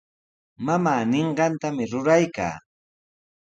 Mamaa ninqantami ruraykaa.